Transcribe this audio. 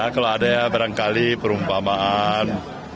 kalau ada ya barangkali perumpamaan